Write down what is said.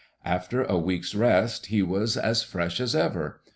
After a week's rest he was as fresh as ever.